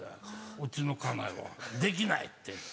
うちの家内は「できない」って言って。